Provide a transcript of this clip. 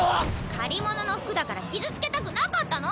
借り物の服だから傷つけたくなかったの。